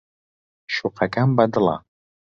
شوقەکەم بەدڵە.